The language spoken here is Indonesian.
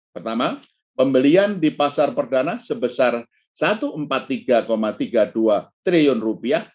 pertama pembelian di pasar perdana sebesar rp satu ratus empat puluh tiga tiga puluh dua triliun rupiah